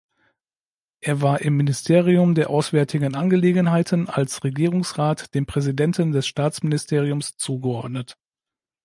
Er war im Ministerium der auswärtigen Angelegenheiten als Regierungsrat dem Präsidenten des Staatsministeriums zugeordnet.